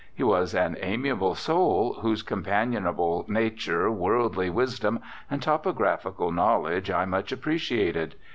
He was an amiable soul, whose companionable nature, worldly wisdom and topographical knowledge I much appreciated.